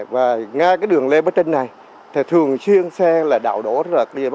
và ngay đường lên trên này thường xuyên xe đạo đổ